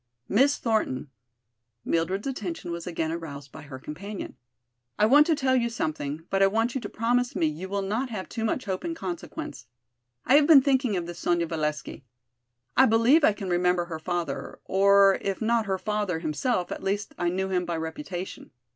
"Miss Thornton," Mildred's attention was again aroused by her companion, "I want to tell you something, but I want you to promise me you will not have too much hope in consequence. I have been thinking of this Sonya Valesky. I believe I can remember her father, or if not her father himself, at least I knew him by reputation.